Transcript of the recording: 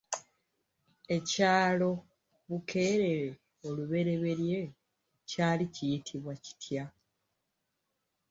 Ekyalo Bukeerere olubereberye kyali kiyitibwa kitya?